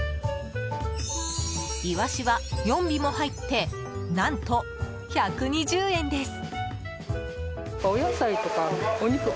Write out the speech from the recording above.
イワシは４尾も入って何と１２０円です。